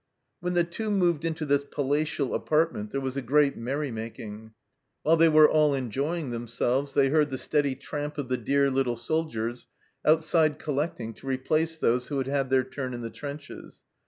When the Two moved into this palatial apart ment there was a great merry making. While they were all enjoying themselves, they heard the steady tramp of the " dear little soldiers " outside collecting to replace those who had had their turn in the trenches.